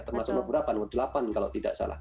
termasuk beberapa delapan kalau tidak salah